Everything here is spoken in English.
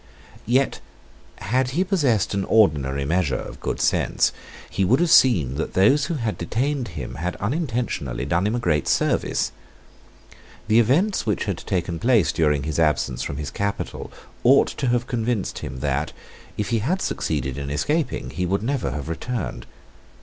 Yet, had he possessed an ordinary measure of good sense, he would have seen that those who had detained him had unintentionally done him a great service. The events which had taken place during his absence from his capital ought to have convinced him that, if he had succeeded in escaping, he never would have returned.